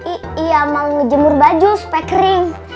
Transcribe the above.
iya mau ngejemur baju supaya kering